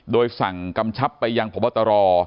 โดยสั่งกำชับไปยังพบตร